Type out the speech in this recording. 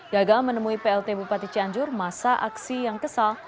gagal menemui plt bupati cianjur masa aksi yang kesal